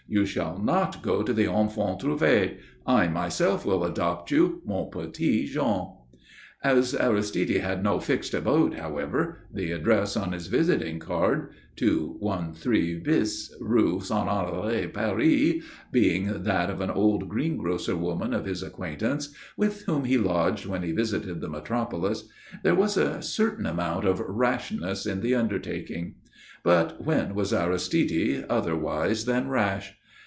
You shall not go to the Enfants Trouvés. I myself will adopt you, mon petit Jean." As Aristide had no fixed abode whatever, the address on his visiting card, "213 bis, Rue Saint Honoré, Paris," being that of an old greengrocer woman of his acquaintance, with whom he lodged when he visited the metropolis, there was a certain amount of rashness in the undertaking. But when was Aristide otherwise than rash?